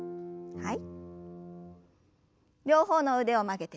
はい。